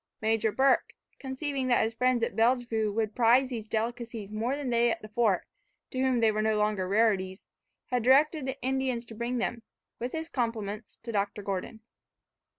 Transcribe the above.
Major Burke, conceiving that his friends at Bellevue would prize these delicacies more than they at the fort, to whom they were no longer rarities, had directed the Indian to bring them, with his compliments, to Dr. Gordon.